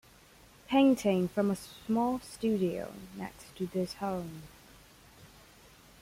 Painting from a small studio next to this home.